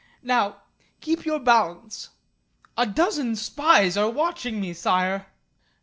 Now keep your balance." "A dozen spies are watching me, Sire!"